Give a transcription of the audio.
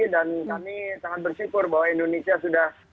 dan kami sangat bersyukur bahwa indonesia sudah